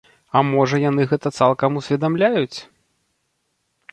А можа, яны гэта цалкам усведамляюць?